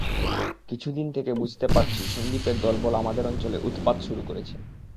কিছুদিন থেকে বুঝতে পারছি সন্দীপের দলবল আমাদের অঞ্চলে উৎপাত শুরু করেছে।